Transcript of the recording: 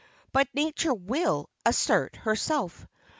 But Nature will assert herself.